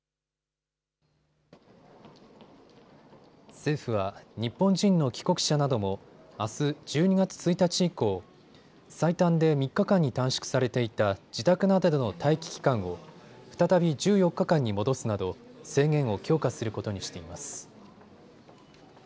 政府は日本人の帰国者などもあす１２月１日以降、最短で３日間に短縮されていた自宅などでの待機期間を再び１４日間に戻すなど制限を強化することにしています。